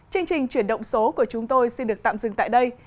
chương trình chuyển động số của chúng tôi xin được tạm dừng tại đây